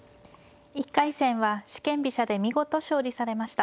１回戦は四間飛車で見事勝利されました。